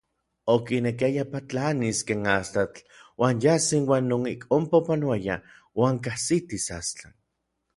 Okinekiaya patlanis ken astatl uan yas inuan non ik onpa opanoayaj uan kajsitis Astlan.